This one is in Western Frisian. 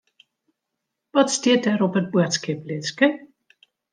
Wat stiet der op it boadskiplistke?